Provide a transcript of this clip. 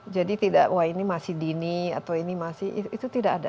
jadi tidak wah ini masih dini atau ini masih itu tidak ada